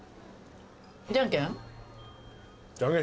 じゃんけん？